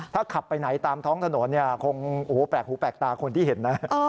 ถ้าขับไปไหนตามท้องถนนเนี่ยคงโอ้โหแปลกหูแปลกตาคนที่เห็นนะ